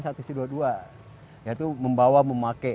yaitu membawa memake